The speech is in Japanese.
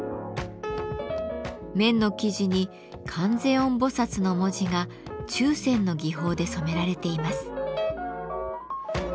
綿の生地に「観世音菩薩」の文字が注染の技法で染められています。